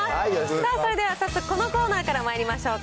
さあ、それでは早速、このコーナーからまいりましょうか。